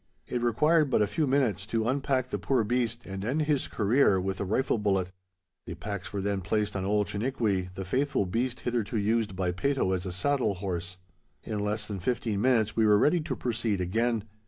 It required but a few minutes to unpack the poor beast and end his career with a rifle bullet. The packs were then placed on old Chiniquy, the faithful beast hitherto used by Peyto as a saddle horse. In less than fifteen minutes we were ready to proceed again.